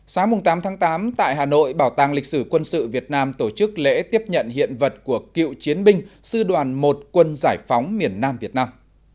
sáng tám tháng tám tại hà nội bảo tàng lịch sử quân sự việt nam tổ chức lễ tiếp nhận hiện vật của cựu chiến binh sư đoàn một quân giải phóng miền nam việt nam